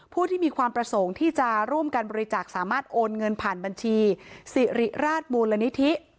ผู้ที่มีความประสงค์ที่จะร่วมกันบริจาคสามารถโอนเงินผ่านบัญชีสิริราชมูลนิธิ